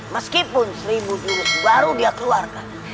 meskipun seribu dulu baru dia keluarkan